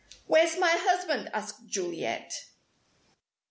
"Where's my husband?" asked Juliet.